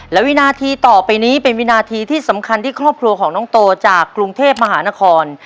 และวินาทีต่อไปนี้เป็นวินาทีที่สำคัญที่ครอบครัวของน้องโตจากกรุงเทพมหานคร